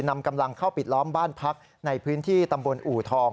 นำกำลังเข้าปิดล้อมบ้านพักในพื้นที่ตำบลอูทอง